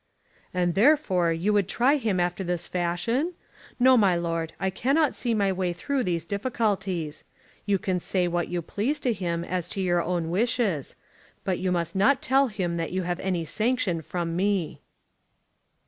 "And therefore you would try him after this fashion? No, my Lord; I cannot see my way through these difficulties. You can say what you please to him as to your own wishes. But you must not tell him that you have any sanction from me."